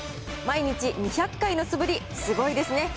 毎日２００回の素振り、すごいですね。